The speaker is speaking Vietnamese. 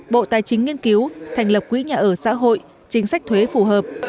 bộ tài chính nghiên cứu thành lập quỹ nhà ở xã hội chính sách thuế phù hợp